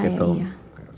ada di depan saya iya